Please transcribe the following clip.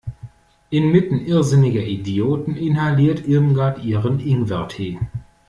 Inmitten irrsinniger Idioten inhaliert Irmgard ihren Ingwertee.